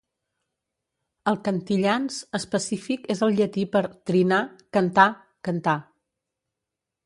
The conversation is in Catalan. El "cantillans" específic és el llatí per "trinar", "cantar", "cantar".